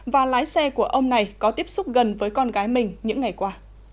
và lái xe của ông này có tiếp xúc gần với con gái mình những ngày qua